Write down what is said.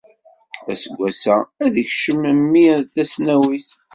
Aseggas-a, ad ikcem mmi ɣer tesnawit.